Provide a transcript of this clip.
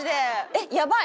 えっやばい！